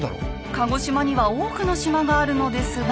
鹿児島には多くの島があるのですが。